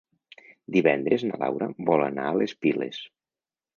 Divendres na Laura vol anar a les Piles.